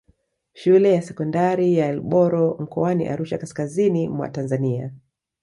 Shule ya sekondari ya Elboro mkoani Arusha kaskazini mwa Tanzania